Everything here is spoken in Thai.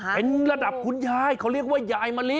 เป็นระดับคุณยายเขาเรียกว่ายายมะลิ